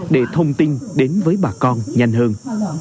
để thông tin đến với bà con nhanh hơn